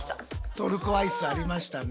トルコアイスありましたね。